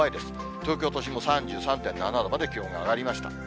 東京都心も３３．７度まで気温が上がりました。